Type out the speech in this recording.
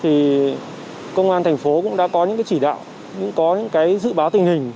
thì công an thành phố cũng đã có những chỉ đạo những dự báo tình hình